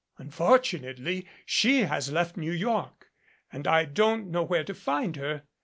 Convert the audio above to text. Unfortunately, she has left New York, and I don't know where to find her.